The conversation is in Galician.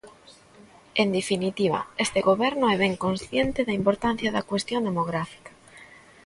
En definitiva, este goberno é ben consciente da importancia da cuestión demográfica.